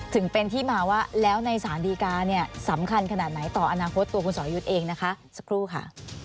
ถึงเป็นที่มาว่าแล้วในสารดีการเนี่ยสำคัญขนาดไหนต่ออนาคตตัวคุณสอรยุทธ์เองนะคะสักครู่ค่ะ